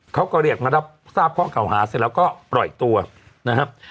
เขาก็เรียกมารับทราบข้อเก่าหาเสร็จแล้วก็ปล่อยตัวนะครับ